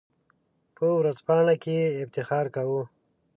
په ورځپاڼو کې یې افتخار کاوه.